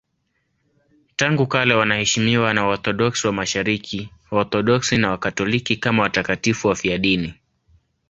Tangu kale wanaheshimiwa na Waorthodoksi wa Mashariki, Waorthodoksi na Wakatoliki kama watakatifu wafiadini.